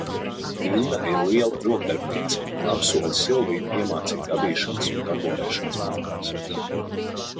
Inna ir liela rokdarbniece un apsola Silviju iemācīt adīšanas un tamborēšanas mākās.